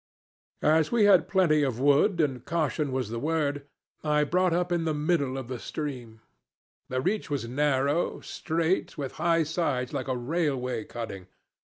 As we had plenty of wood, and caution was the word, I brought up in the middle of the stream. The reach was narrow, straight, with high sides like a railway cutting.